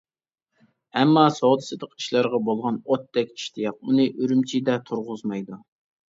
ئەمما سودا-سېتىق ئىشلىرىغا بولغان ئوتتەك ئىشتىياق ئۇنى ئۈرۈمچىدە تۇرغۇزمايدۇ.